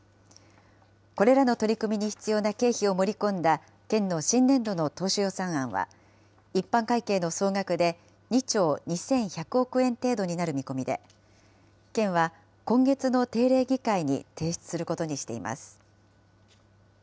これらの取り組みに必要な経費を盛り込んだ県の新年度の当初予算案は、一般会計の総額で２兆２１００億円程度になる見込みで、県は今月の定例議会に提出することにしています。